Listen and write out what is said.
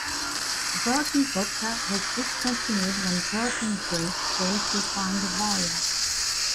Virgin Vodka was discontinued when Virgin Drinks failed to find a buyer.